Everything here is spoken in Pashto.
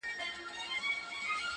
بې اختیاره له یارانو بېلېده دي -